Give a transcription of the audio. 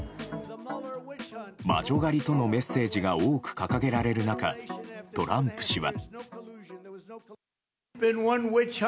魔女狩りとのメッセージが多く掲げられる中トランプ氏は。